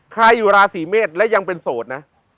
ใครอยู่ราศีเมษและยังเป็นโสดนะ